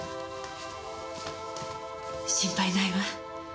心配ないわ。